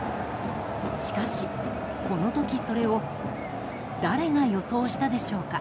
しかし、この時それを誰が予想したでしょうか。